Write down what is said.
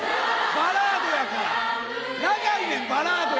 バラードやから。